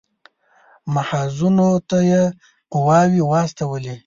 محاذونو ته یې قواوې واستولې.